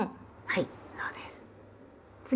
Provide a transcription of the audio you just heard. はい。